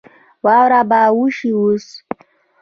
واوره به وشي اوس